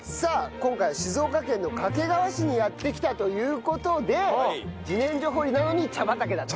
今回は静岡県の掛川市にやって来たという事で自然薯掘りなのに茶畑だと。